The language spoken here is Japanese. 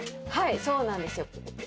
そうなんですよ。